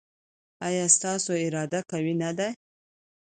ایا ستاسو اراده قوي نه ده؟